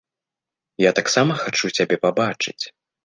Я таксама хачу цябе пабачыць.